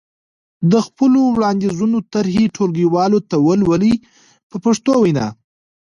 د خپلو وړاندیزونو طرحې ټولګیوالو ته ولولئ په پښتو وینا.